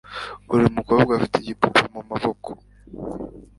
Buri mukobwa afite igipupe mumaboko.